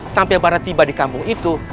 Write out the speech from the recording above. sampai barat tiba di kampung itu